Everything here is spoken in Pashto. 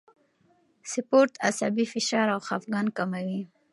سپورت عصبي فشار او خپګان کموي.